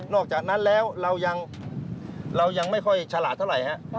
นอกจากนั้นแล้วเรายังไม่ค่อยฉลาดเท่าไรครับ